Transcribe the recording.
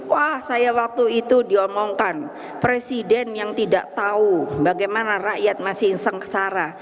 wah saya waktu itu diomongkan presiden yang tidak tahu bagaimana rakyat masih sengsara